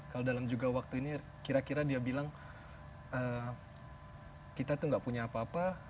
kalau dalam juga waktu ini kira kira dia bilang kita tuh gak punya apa apa